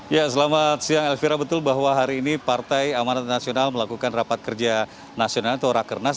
ya selamat siang elvira betul bahwa hari ini partai amanat nasional melakukan rapat kerja nasional atau rakernas